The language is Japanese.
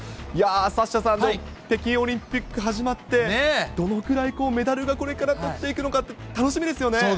いやー、サッシャさん、でも北京オリンピック始まって、どのくらいメダルがこれからとっていくのかって、楽しみですよね。